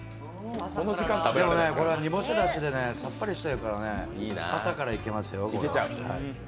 でもね、これね、煮干しだしでさっぱりしてるから朝からいけますよ。」